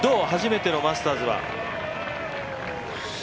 初めてのマスターズは。